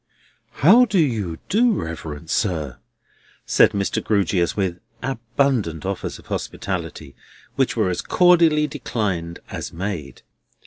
"How do you do, reverend sir?" said Mr. Grewgious, with abundant offers of hospitality, which were as cordially declined as made.